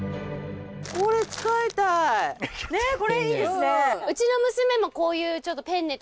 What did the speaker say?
ねっこれいいですね